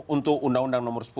untuk undang undang nomor sepuluh